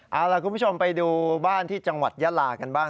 เอาล่ะคุณผู้ชมไปดูบ้านที่จังหวัดยาลากันบ้าง